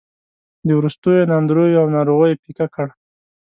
د وروستیو ناندریو او ناروغیو پېکه کړ.